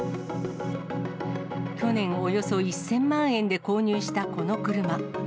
去年、およそ１０００万円で購入したこの車。